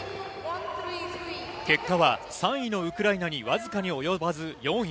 結果は３位のウクライナにわずかに及ばず４位。